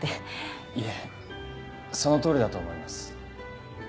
いえそのとおりだと思います。